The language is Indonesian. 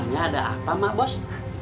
nya ada apa mak bos